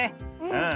うん。